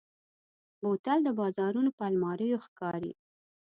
بوتل د بازارونو پر الماریو ښکاري.